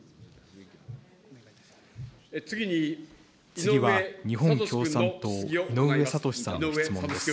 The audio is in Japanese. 次は日本共産党、井上哲士さんの質問です。